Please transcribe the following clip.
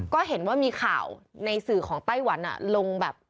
ก็เห็นว่ามีข่าวในสื่อของไต้หวันลงแบบ